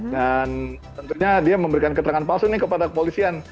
dan tentunya dia memberikan keterangan palsu ini kepada kepolisian